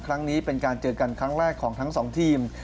ครั้งนี้เป็นการเจอกันครั้งแรกของทั้งสองทีม